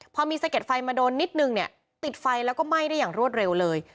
พอมีสะเด็ดไฟมาโดนนิดนึงเนี่ยติดไฟแล้วก็ไหม้ได้อย่างรวดเร็วเลย